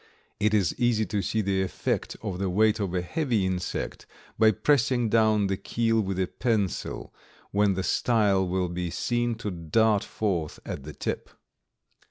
It is easy to see the effect of the weight of a heavy insect by pressing down the keel with a pencil, when the style will be seen to dart forth at the tip.